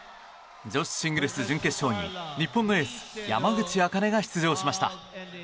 女子シングルス準決勝に日本のエース山口茜が出場しました。